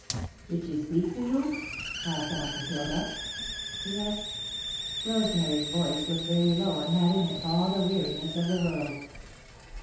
"Did she speak to you?" asked Aunt Matilda. "Yes." Rosemary's voice was very low and had in it all the weariness of the world.